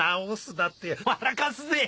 だってよ笑かすぜ。